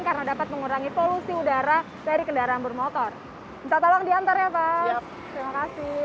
karena dapat mengurangi polusi udara dari kendaraan bermotor